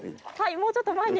もうちょっと前に。